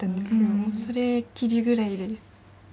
もうそれきりぐらいで。